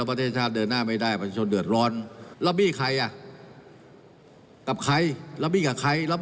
ไอ้ที่ว่าทุษฎฤษกับใคร